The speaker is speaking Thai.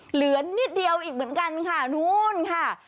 เหลือนิดเดียวอีกเหมือนกันค่ะนู้นค่ะ